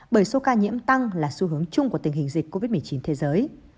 bởi số ca nhiễm tăng là xu hướng chung của tình hình dịch covid một mươi chín thế giới